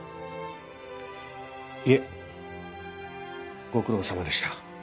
いえご苦労さまでした。